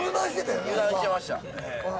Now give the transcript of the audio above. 今油断してましたええ